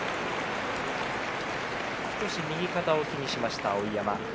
少し右肩を気にしました碧山。